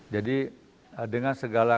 jadi dengan segala